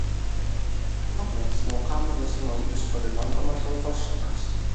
Mutt Mitts now come in single use for the non-commercial customers.